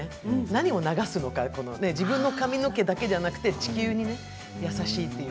何を流すのか自分の髪の毛だけじゃなくて地球に優しいと。